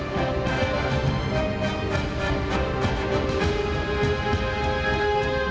tapi sekarang di abs leein